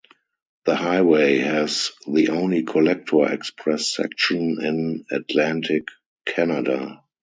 The highway has the only collector-express section in Atlantic Canada.